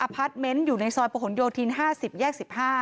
พาร์ทเมนต์อยู่ในซอยประหลโยธิน๕๐แยก๑๕